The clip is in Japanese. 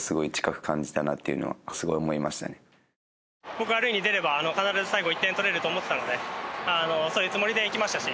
僕が塁に出れば必ず最後１点取れると思ってたのでそういうつもりでいきましたし。